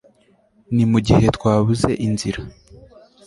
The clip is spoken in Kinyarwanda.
ni mugihe twabuze inzira